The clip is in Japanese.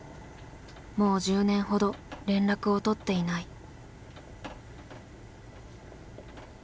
もう１０年ほど連絡を取っていない。